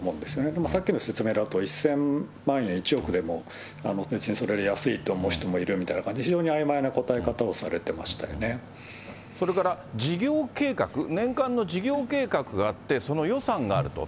でもさっきの説明だと、１０００万円、１億でも、別にそれで安いと思う人もいるというような、非常にあいまいな答え方をされていそれから事業計画、年間の事業計画があって、その予算があると。